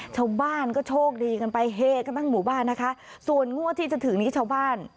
ชาวบ้านก็โชคดีกันไปเฮกันทั้งหมู่บ้านนะคะส่วนงวดที่จะถึงนี้ชาวบ้าน